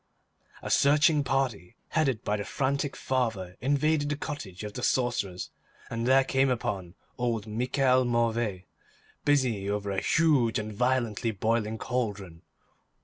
A searching party, headed by the frantic father, invaded the cottage of the sorcerers and there came upon old Michel Mauvais, busy over a huge and violently boiling cauldron.